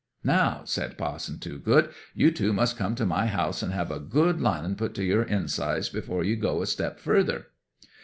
'"Now," said Pa'son Toogood, "you two must come to my house, and have a good lining put to your insides before you go a step further."